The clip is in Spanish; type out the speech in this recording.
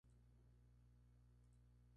Robledo nació en Iquique.